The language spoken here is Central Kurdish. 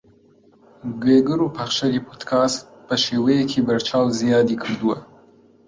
گوێگر و پەخشەری پۆدکاست بەشێوەیەکی بەرچاو زیادی کردووە